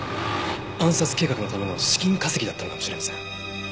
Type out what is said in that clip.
暗殺計画のための資金稼ぎだったのかもしれません。